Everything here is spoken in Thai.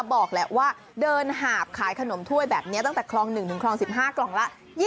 บอกแหละว่าเดินหาบขายขนมถ้วยแบบนี้ตั้งแต่คลอง๑ถึงคลอง๑๕กล่องละ